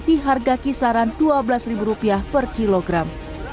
di harga kisaran dua belas rupiah per kilogram